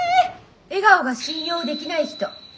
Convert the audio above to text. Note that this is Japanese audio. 「笑顔が信用できない人」。